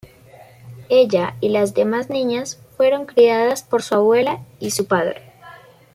Ella y las demás niñas fueron criadas por su abuela y su padre.